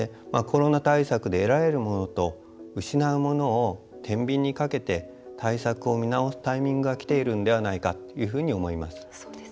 コロナ対策で失うものをてんびんにかけて対策を見直すタイミングがきているのではないかと思います。